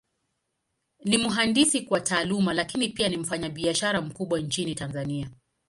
Ni mhandisi kwa Taaluma, Lakini pia ni mfanyabiashara mkubwa Nchini Tanzania.